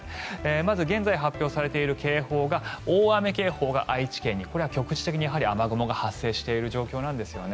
まず、現在発表されている警報が大雨警報が愛知県にこれは局地的に雨雲が発生している状況なんですよね。